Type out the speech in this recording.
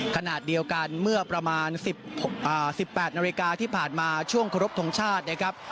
ขณะเดียวกันเมื่อประมาณ๑๘นาฬิกาที่ผ่านมาช่วงครบทรงชาตินะครับ